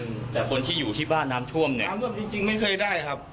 แต่คนที่อยู่ที่บ้านน้ำท่วมเนี่ยน้ำท่วมจริงจริงไม่เคยได้ครับ